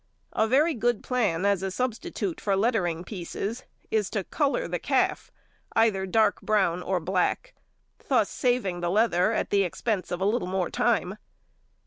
A very good plan as a substitute for lettering pieces is to colour the calf either dark brown or black, thus saving the leather at the expense of a little more time.